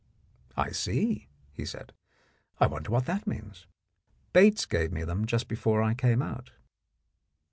"I see," he said; "I wonder what that means. Bates gave me them just before I came out."